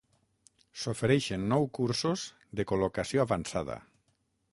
S'ofereixen nou cursos de col·locació avançada.